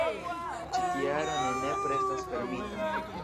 Ĉi tia aro ne nepre estas fermita.